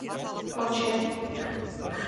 O čem?